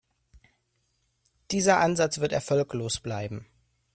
Dieser Ansatz wird erfolglos bleiben.